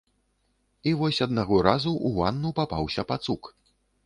І вось аднаго разу ў ванну папаўся пацук.